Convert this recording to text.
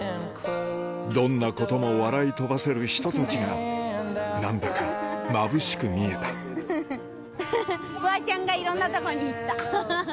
どんなことも笑い飛ばせるひとときが何だかまぶしく見えたフワちゃんがいろんなとこにいったハハハ！